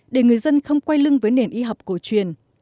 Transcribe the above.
để người dân không quay lưng với nền y học cổ truyền